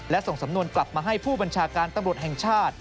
และส่งสำนวนกลับมาให้ผู้บัญชาการตำรวจแห่งชาติ